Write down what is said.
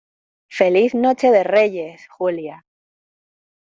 feliz noche de Reyes, Julia.